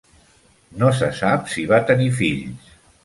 No se sap si va tenir fills.